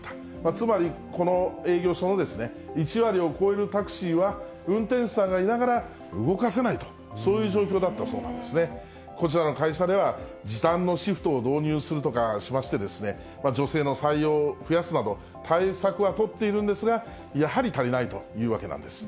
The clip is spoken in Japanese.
つまり、この営業所の１割を超えるタクシーは、運転手さんがいながら動かせないと、そういう状況だったそうなんですね。こちらの会社では、時短のシフトを導入するとかしましてですね、女性の採用を増やすなど、対策は取っているんですが、やはり足りないというわけなんです。